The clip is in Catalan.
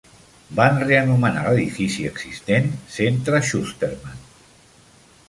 Van reanomenar l'edifici existent "Centre Schusterman".